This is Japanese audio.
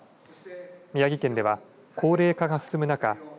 宮城県では高齢化が進む中